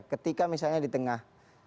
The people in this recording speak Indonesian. ketika misalnya di tengah